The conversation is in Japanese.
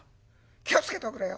『気を付けておくれよ！』。